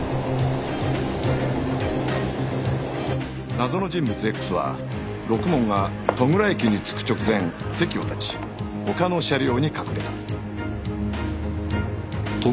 謎の人物 Ｘ はろくもんが戸倉駅に着く直前席を立ち他の車両に隠れた